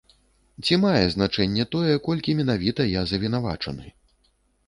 Ці мае значэнне тое, колькі менавіта я завінавачаны?